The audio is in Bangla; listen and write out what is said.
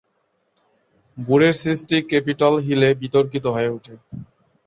ব্যুরোর সৃষ্টি ক্যাপিটল হিলে বিতর্কিত হয়ে ওঠে।